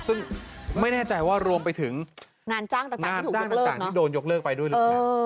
ซึ่งไม่แน่ใจว่ารวมไปถึงงานจ้างต่างที่โดนยกเลิกไปด้วยหรือเปล่า